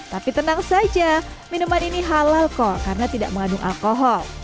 tapi tenang saja minuman ini halal kok karena tidak mengandung alkohol